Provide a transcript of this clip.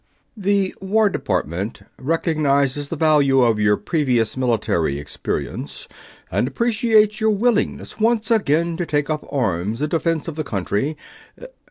"The War Department recognizes the value of your previous military experience and appreciates your willingness once again to take up arms in defense of the country